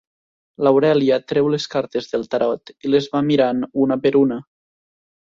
L'Aurèlia treu les cartes del tarot i les va mirant una per una.